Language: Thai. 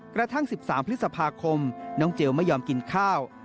กระทั่ง๑๓พฤษภาคมน้องเจลไม่ยอมกินข้าว